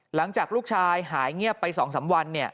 หลังจากลูกชายหายเงียบไป๒๓วัน